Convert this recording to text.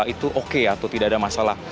itu oke atau tidak ada masalah